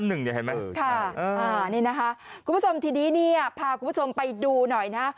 ค่ะอ๋อนี่นะคะกูกุฟภาษมณ์ทีนี้เนี่ยพากูผศมไปดูหน่อยนะ